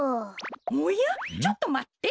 おやちょっとまって。